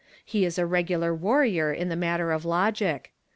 lie is a regular warrior in the matter of lo^Mc.